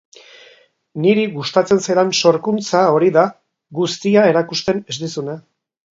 Niri gustatzen zaidan sorkuntza hori da, guztia erakusten ez dizuna.